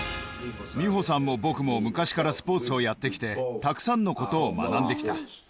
美保さんも僕も、昔からスポーツをやってきて、たくさんのことを学んできた。